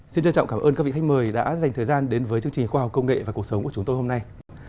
xin trân trọng cảm ơn các vị khách mời đã dành thời gian đến với chương trình khoa học công nghệ và cuộc sống của chúng tôi hôm nay